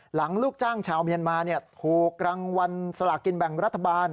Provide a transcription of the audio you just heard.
ลูกจ้างชาวเมียนมาถูกรางวัลสลากินแบ่งรัฐบาล